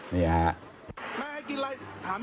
นี่ครับ